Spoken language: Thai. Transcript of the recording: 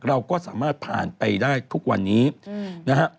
เราก็สามารถผ่านไปได้ทุกวันนี้นะฮะ